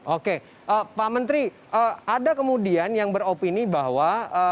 oke pak menteri ada kemudian yang beropini bahwa